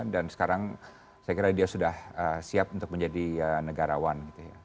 dan sekarang saya kira dia sudah siap untuk menjadi negarawan